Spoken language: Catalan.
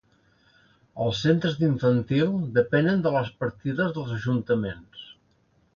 Els centres d’infantil depenen de les partides dels ajuntaments.